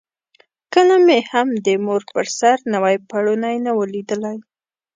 کله مې هم د مور پر سر نوی پوړونی نه وو لیدلی.